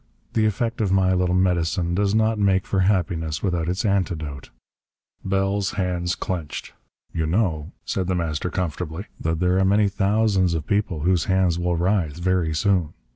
The effect of my little medicine does not make for happiness without its antidote." Bell's hands clenched. "You know," said The Master comfortably, "that there are many thousands of people whose hands will writhe, very soon.